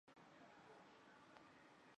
半个月就不去了